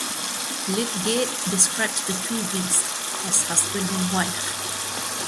Lydgate describes the two beasts as husband and wife.